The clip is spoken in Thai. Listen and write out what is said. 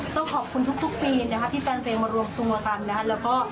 ต้องขอบคุณทุกปีที่แฟนเพลงมารวมทุกปีแล้วก็